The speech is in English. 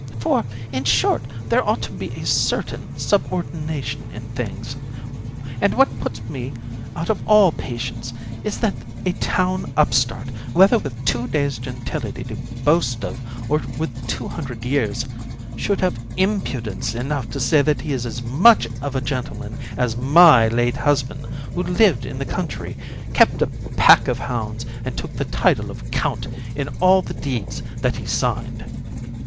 For, in short, there ought to be a certain subordination in things; and what puts me out of all patience is that a town upstart, whether with two days' gentility to boast of or with two hundred years', should have impudence enough to say that he is as much of a gentleman as my late husband, who lived in the country, kept a pack of hounds, and took the title of Count in all the deeds that he signed.